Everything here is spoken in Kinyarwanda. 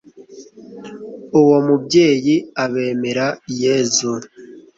uwo mubyeyi. abemera yezu